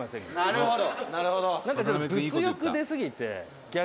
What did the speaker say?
「なるほど」